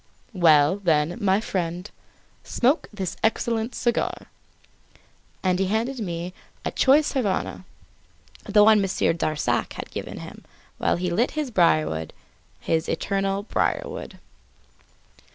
"Well, then, my friend, smoke this excellent cigar." And he handed me a choice Havana, one Monsieur Darzac had given him, while he lit his briarwood his eternal briarwood.